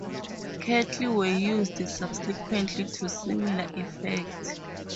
Cattle were used subsequently to similar effect.